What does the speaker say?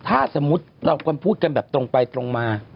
ถ้าสมมุติเราควรพูดกันแบบตรงไปตรงมา